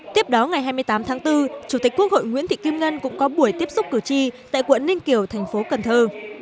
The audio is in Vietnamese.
tiếp đó ngày hai mươi tám tháng bốn chủ tịch quốc hội nguyễn thị kim ngân cũng có buổi tiếp xúc cử tri tại quận ninh kiều thành phố cần thơ